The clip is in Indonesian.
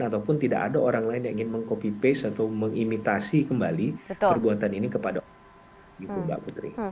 ataupun tidak ada orang lain yang ingin meng copy paste atau mengimitasi kembali perbuatan ini kepada orang gitu mbak putri